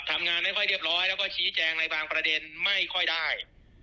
ทำงานไม่ค่อยเรียบร้อยแล้วก็ชี้แจงในบางประเด็นไม่ค่อยได้